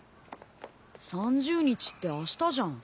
３０日ってあしたじゃん。